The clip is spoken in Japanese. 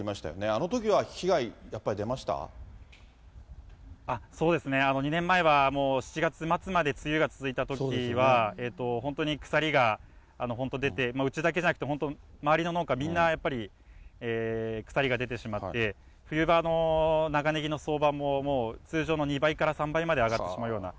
あのときは被害、そうですね、２年前は、もう７月末まで梅雨が続いたときは、本当に腐りが、本当に出て、うちだけじゃなくて、本当、周りの農家、みんなやっぱり、腐りが出てしまって、冬場の長ねぎの相場も、もう通常の２倍から３倍まで上がってしまうような、